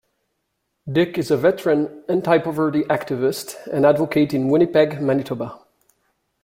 Dyck is a veteran anti-poverty activist and advocate in Winnipeg, Manitoba.